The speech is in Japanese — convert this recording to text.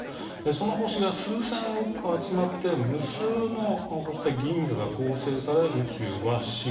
その星が数千億個、集まって無数の銀河が構成され宇宙は進化。